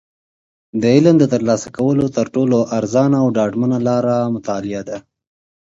د علم د ترلاسه کولو تر ټولو ارزانه او ډاډمنه لاره مطالعه ده.